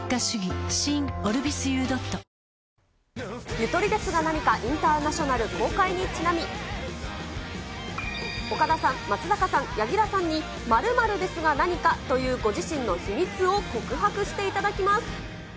ゆとりですがなにかインターナショナル公開にちなみ、岡田さん、松坂さん、柳楽さんに○○ですがなにかというご自身の秘密を告白していただきます。